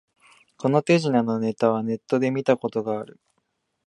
この手品のネタはネットで見たことある